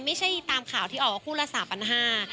ไม่ใช่ตามข่าวที่ออกมาคู่ละ๓๕๐๐บาท